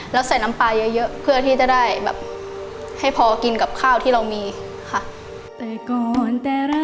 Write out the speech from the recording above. แล้วใส่น้ำปลาเยอะเพื่อที่จะได้แบบให้พอกินกับข้าวที่เรามีค่ะ